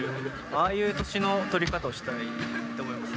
ああいう年の取り方をしたいって思います。